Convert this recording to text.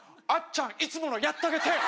「あっちゃんいつものやったげて！」